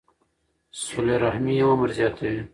صله رحمي عمر زیاتوي.